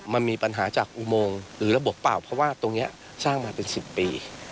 มันมีปัญหาจากอุโมงหรือระบบเปล่าเพราะว่าตรงนี้สร้างมาเป็น๑๐ปี